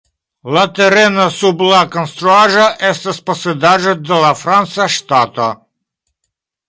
La tereno sub la konstruaĵo estas posedaĵo de la franca ŝtato.